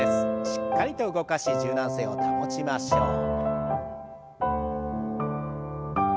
しっかりと動かし柔軟性を保ちましょう。